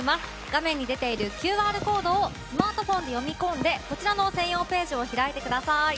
画面に出ているＱＲコードをスマートフォンで読み込んでこちらの専用ページを開いてください。